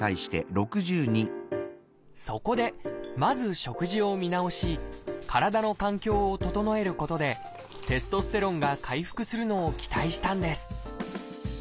そこでまず食事を見直し体の環境を整えることでテストステロンが回復するのを期待したんです。